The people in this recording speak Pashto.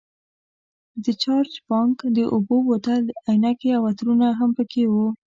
د چارج بانک، د اوبو بوتل، عینکې او عطرونه هم پکې وو.